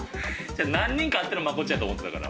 何人かあってのまこっちゃんやと思ってたから。